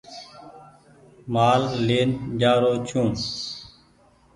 مآل لين جآرو ڇو ۔